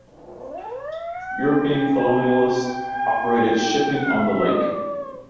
European colonialists operated shipping on the lake.